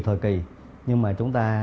thời kỳ nhưng mà chúng ta